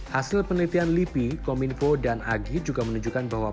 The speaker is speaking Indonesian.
hasil penelitian lipi kominfo dan agi juga menunjukkan bahwa